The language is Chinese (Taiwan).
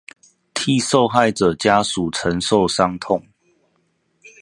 替受害者家屬承受傷痛